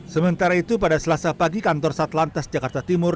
sementara itu pada selasa pagi kantor satlantas jakarta timur